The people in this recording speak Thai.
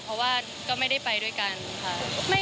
เพราะว่าก็ไม่ได้ไปด้วยกันค่ะ